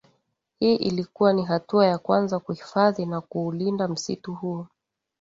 Hii ilikuwa ni hatua ya kwanza kuhifadhi na kuulinda msitu huo